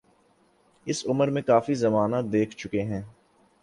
اس عمر میں کافی زمانہ دیکھ چکے ہیں۔